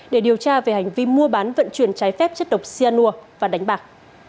để điều tra về hành vi mua bán vận chuyển trái phép chất độc xe nua và đánh bạc